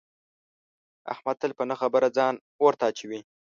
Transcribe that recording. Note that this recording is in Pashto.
احمد تل په نه خبره ځان اور ته اچوي.